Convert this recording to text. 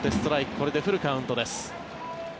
これでフルカウントです。